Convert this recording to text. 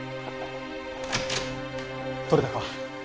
取れたか？